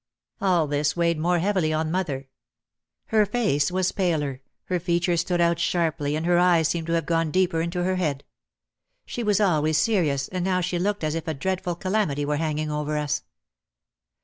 All this weighed more heavily on mother. Her face was paler, her features stood out sharply and her eyes seemed to have gone deeper into her head. She was OUT OF THE SHADOW 157 always serious and now she looked as if a dreadful calamity were hanging over us.